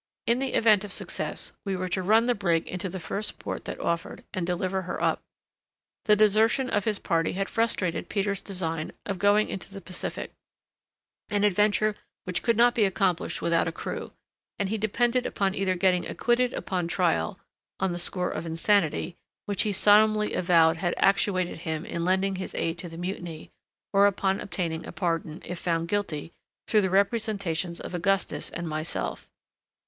In the event of success, we were to run the brig into the first port that offered, and deliver her up. The desertion of his party had frustrated Peters' design of going into the Pacific—an adventure which could not be accomplished without a crew, and he depended upon either getting acquitted upon trial, on the score of insanity (which he solemnly avowed had actuated him in lending his aid to the mutiny), or upon obtaining a pardon, if found guilty, through the representations of Augustus and myself.